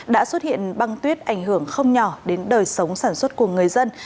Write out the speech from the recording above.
đã xuất hiện băng tuyết ảnh hưởng không nhỏ đến đời sống sản xuất của người dân